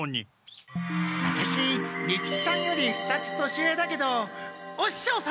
ワタシ利吉さんより２つ年上だけどおししょう様！